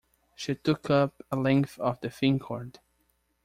She took up a length of the thin cord.